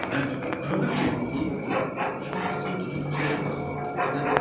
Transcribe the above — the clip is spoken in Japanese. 比べると子どものころは比較するとちょっと小さい体だったんですね。